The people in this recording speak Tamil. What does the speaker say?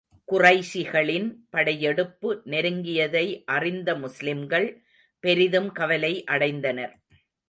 குறைஷிகளின் படையெடுப்பு நெருங்கியதை அறிந்த முஸ்லிம்கள் பெரிதும் கவலை அடைந்தனர்.